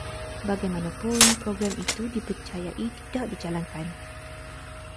Bagaimanapun, program itu dipercayai tidak dijalankan